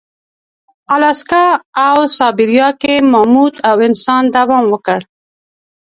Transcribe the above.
الاسکا او سابیریا کې ماموت او انسان دوام وکړ.